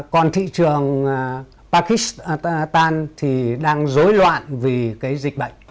còn thị trường pakistan thì đang dối loạn vì cái dịch bệnh